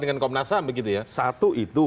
dengan komunasanya satu itu